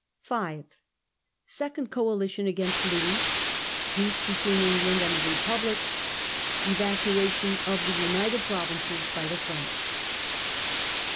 5. Second Coalition against Louis. Peace between England and the Republic. Evacuation of the United Provinces by the French.